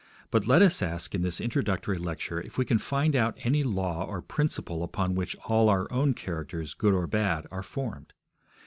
But let us ask in this introductory lecture if we can find out any law or principle upon which all our own characters, good or bad, are formed.